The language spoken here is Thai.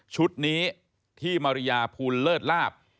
ชุดนี้ที่มาริยาภูลเลิศลาบ